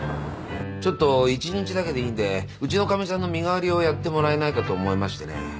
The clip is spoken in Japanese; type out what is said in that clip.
ちょっと１日だけでいいんでうちのかみさんの身代わりをやってもらえないかと思いましてね。